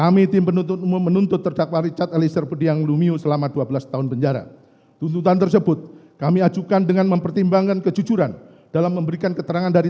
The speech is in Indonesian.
memakai dengan mempertimbangkan kejujuran dalam memberikan keterangan dari